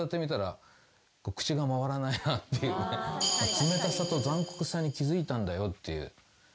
「冷たさと残酷さに気付いたんだよ」っていう。